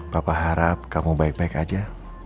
bapak harap kamu baik baik aja